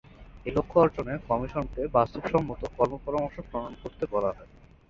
এ লক্ষ্য অর্জনে কমিশনকে বাস্তবসম্মত কর্মপরামর্শ প্রণয়ন করতে বলা হয়।